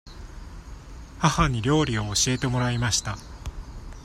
母に料理を教えてもらいました。